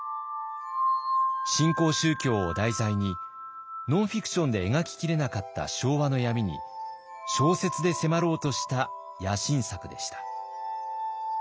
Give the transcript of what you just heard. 新興宗教を題材にノンフィクションで描ききれなかった昭和の闇に小説で迫ろうとした野心作でした。